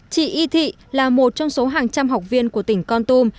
chị y thị là một trong số hàng trăm học viên của tỉnh con tum